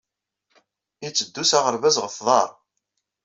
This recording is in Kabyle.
Itteddu s aɣerbaz ɣef uḍar.